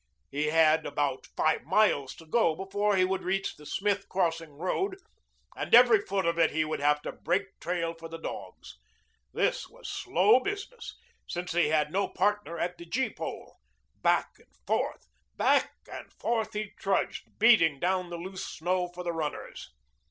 He had about five miles to go before he would reach the Smith Crossing road and every foot of it he would have to break trail for the dogs. This was slow business, since he had no partner at the gee pole. Back and forth, back and forth he trudged, beating down the loose snow for the runners.